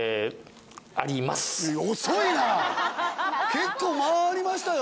結構間ありましたよ。